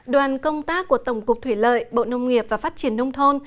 đoàn công tác của tổng cục thủy lợi bộ nông nghiệp và phát triển nông thôn